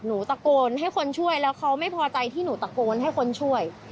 หนูตะโกนให้คนช่วยแล้วเขาไม่พอใจที่หนูตะโกนให้คนช่วย